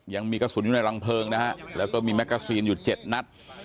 ยังมีกระสุนอยู่ในรังเพลิงนะฮะแล้วก็มีแมกกาซีนอยู่๗นัด